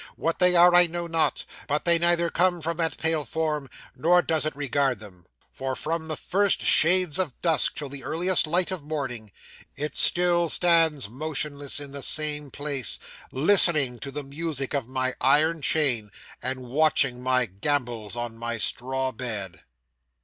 What they are, I know not; but they neither come from that pale form, nor does it regard them. For from the first shades of dusk till the earliest light of morning, it still stands motionless in the same place, listening to the music of my iron chain, and watching my gambols on my straw bed.